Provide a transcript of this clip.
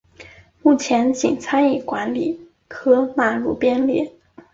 目前仅餐饮管理科纳入编列。